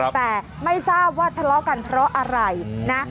แต่ไม่ทราบว่าทะเลาะกันเพราะอะไรนะ